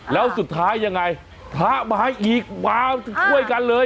แล้วสุดท้ายยังไงพระมาอีกมาช่วยกันเลย